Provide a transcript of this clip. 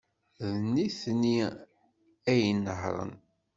D nitni ay inehhṛen.